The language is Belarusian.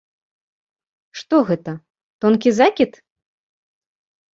Што гэта, тонкі закід?